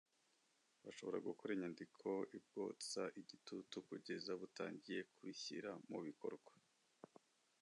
bashobora gukora inyandiko ibwotsa igitutu kugeza butangiye kubishyira mu bikorwa